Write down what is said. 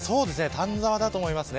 丹沢だと思います。